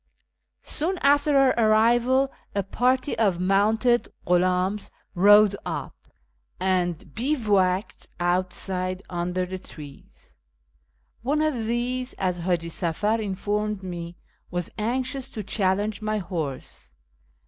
Soon after our arrival, a party of mounted (/huldms rode up, and bivouacked outside under the trees. One of these, as Haji Safar informed me, was anxious to " challenge " my horse.